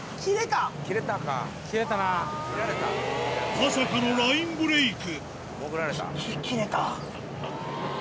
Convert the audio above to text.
まさかのラインブレイク